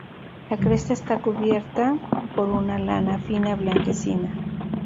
La cresta está cubierto por una lana fina blanquecina.